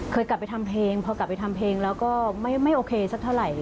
เคยกลับไปทำเพลงพอกลับไปทำเพลงแล้วก็ไม่โอเคสักเท่าไหร่